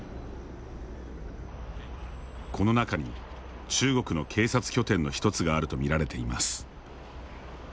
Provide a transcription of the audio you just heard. この中に、中国の警察拠点の一つがあると見られています。